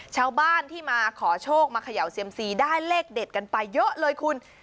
ชาวบ้านที่มาขอโชคมาเขย่าเซียมซีได้เลขเด็ดกันไปเยอะเลยคุณ